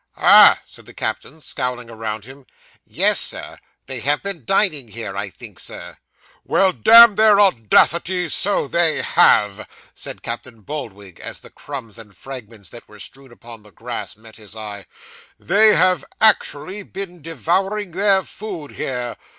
'Ha!' said the captain, scowling around him. 'Yes, sir they have been dining here, I think, sir.' 'Why, damn their audacity, so they have,' said Captain Boldwig, as the crumbs and fragments that were strewn upon the grass met his eye. 'They have actually been devouring their food here.